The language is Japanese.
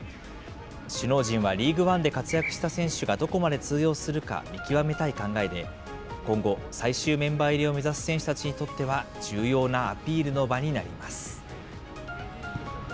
首脳陣はリーグワンで活躍した選手がどこまで通用するか見極めたい考えで、今後、最終メンバー入りを目指す選手たちにとっては重要なアピールの場になります。